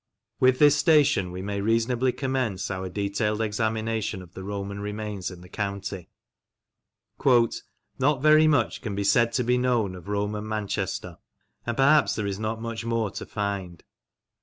With this station we may reasonably commence our detailed examination of the Roman remains in the county. " Not very much can be said to be known of Roman Manchester, and perhaps there is not much more to find.